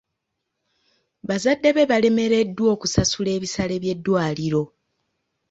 Bazadde be balemereddwa okusasula ebisale by'eddwaliro.